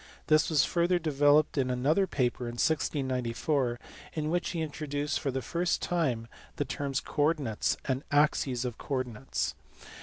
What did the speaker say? This was further developed in another paper in 1694, in which he introduced for the first time the terms " coordinates" and "axes of co ordinates."